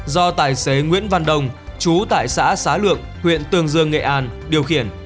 do tài xế nguyễn văn đông chú tại xã xá lượng huyện tường dương nghệ an điều khiển